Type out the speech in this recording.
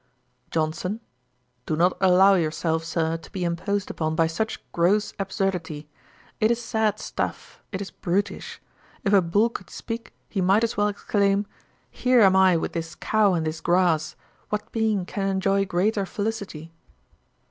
JOHNSON. 'Do not allow yourself, Sir, to be imposed upon by such gross absurdity. It is sad stuff; it is brutish. If a bull could speak, he might as well exclaim, Here am I with this cow and this grass; what being can enjoy greater felicity?'